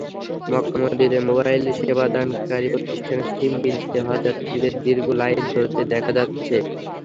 মক্কা-মদিনায় mobile সেবাদানকারী প্রতিষ্ঠানে SIM কিনতে হজযাত্রীদের দীর্ঘ লাইন ধরতে দেখা যাচ্ছে।